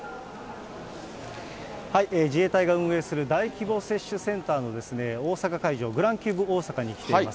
自衛隊が運営する大規模接種センターの大阪会場、グランキューブ大阪に来ています。